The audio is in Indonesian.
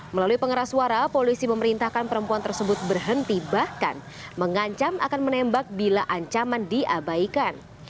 melalui pengeras suara polisi memerintahkan perempuan tersebut berhenti bahkan mengancam akan menembak bila ancaman diabaikan